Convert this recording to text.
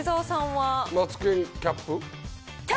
マツケンキャップ。